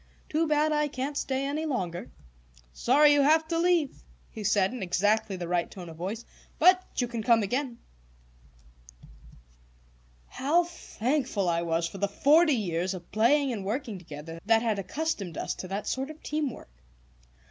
Too bad I can't stay any longer." "Sorry you have to leave," he said, in exactly the right tone of voice. "But you can come again." How thankful I was for the forty years of playing and working together that had accustomed us to that sort of team work!